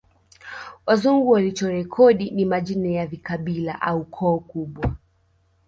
Wazungu walichorekodi ni majina ya vikabila au koo kubwa